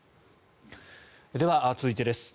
では続いてです。